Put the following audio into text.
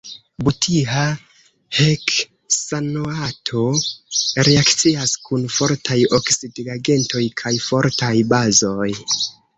Butila heksanoato reakcias kun fortaj oksidigagentoj kaj fortaj bazoj.